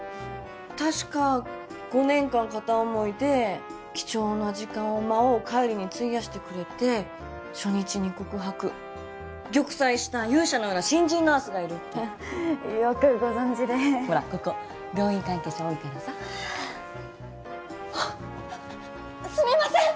確か５年間片思いで貴重な時間を魔王・浬に費やしてくれて初日に告白玉砕した勇者のような新人ナースがいるってよくご存じでほらここ病院関係者多いからさすみません！